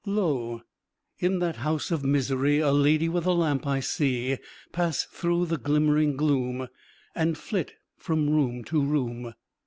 Lo! in that house of misery A lady with a lamp I see Pass through the glimmering gloom, And flit from room to room.